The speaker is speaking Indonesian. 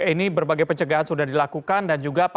ini berbagai pencegahan sudah dilakukan